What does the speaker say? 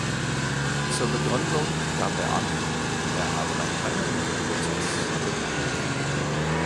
Zur Begründung gab er an, er habe noch keinen Prozess gewonnen.